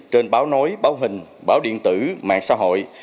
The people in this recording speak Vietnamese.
trên báo nói báo hình báo điện tử mạng xã hội